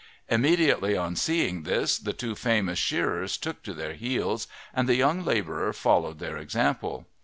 Immediately on seeing this the two famous shearers took to their heels and the young labourer followed their example.